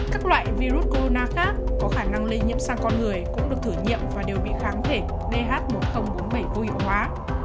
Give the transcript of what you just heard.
các loại virus corona khác có khả năng lây nhiễm sang con người cũng được thử nghiệm và đều bị kháng thể dh một nghìn bốn mươi bảy vô hiệu hóa